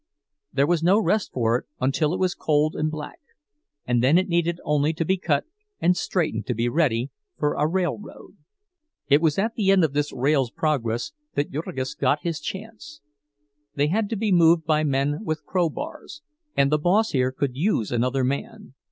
There was no rest for it until it was cold and black—and then it needed only to be cut and straightened to be ready for a railroad. It was at the end of this rail's progress that Jurgis got his chance. They had to be moved by men with crowbars, and the boss here could use another man.